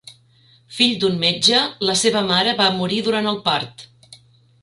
Fill d'un metge, la seva mare va morir durant el part.